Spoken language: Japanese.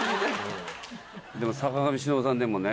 坂上忍さんでもね